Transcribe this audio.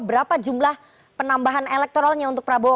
berapa jumlah penambahan elektoralnya untuk prabowo